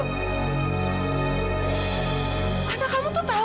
karena kamu tuh tahu